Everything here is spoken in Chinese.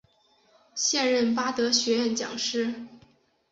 现任巴德学院讲师。